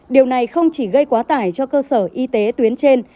điều này không chỉ gây quá tải cho cơ sở y tế tuyến trên